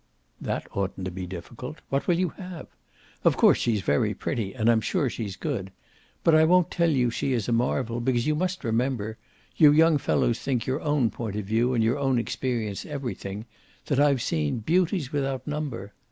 "That oughtn't to be difficult. What will you have? Of course she's very pretty and I'm sure she's good. But I won't tell you she is a marvel, because you must remember you young fellows think your own point of view and your own experience everything that I've seen beauties without number.